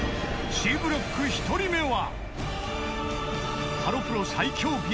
［Ｃブロック１人目は］